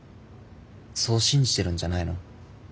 そう信じてるんじゃないの。